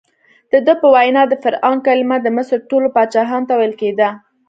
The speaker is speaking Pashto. دده په وینا د فرعون کلمه د مصر ټولو پاچاهانو ته ویل کېده.